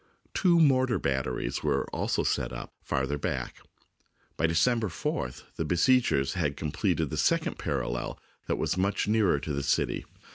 Two mortar batteries were also set up, farther back. By December 4th the besiegers had com pleted a second parallel that was much nearer to the city.